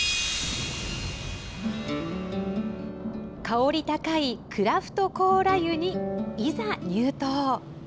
香り高いクラフトコーラ湯にいざ入湯。